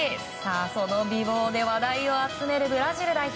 その美貌で話題を集めるブラジル代表。